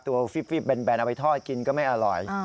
ฟิบแบนเอาไปทอดกินก็ไม่อร่อย